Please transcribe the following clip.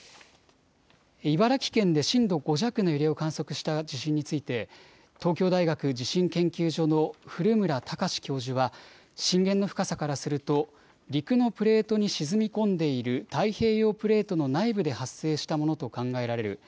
茨城県で震度５弱の揺れを観測した地震について東京大学地震研究所の古村孝志教授は、震源の深さからすると陸のプレートに沈み込んでいる太平洋プレートの内部で発生したものと考えられる。